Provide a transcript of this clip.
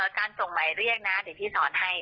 การส่งหมายเรียกนะเดี๋ยวพี่สอนให้